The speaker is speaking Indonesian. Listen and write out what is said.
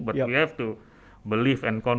tapi kita harus percaya dan yakin